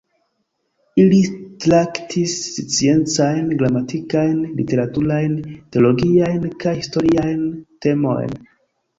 Ili traktis sciencajn, gramatikajn, literaturajn, teologiajn kaj historiajn temojn.